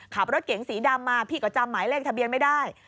ขับรถเก๋งสีดำมาพี่ก็จำหมายเลขทะเบียนไม่ได้